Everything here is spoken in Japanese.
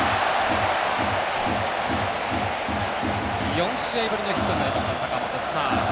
４試合ぶりのヒットになりました坂本。